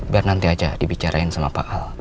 biar nanti aja dibicarain sama pak hal